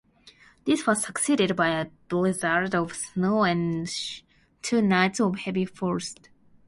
This was succeeded by a blizzard of snow and two nights of heavy frost.